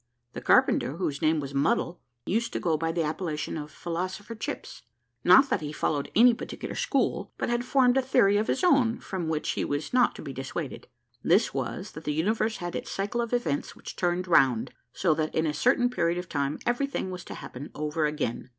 The carpenter, whose name was Muddle, used to go by the appellation of Philosopher Chips; not that he followed any particular school, but had formed a theory of his own, from which he was not to be dissuaded. This was, that the universe had its cycle of events which turned round, so that in a certain period of time everything was to happen over again.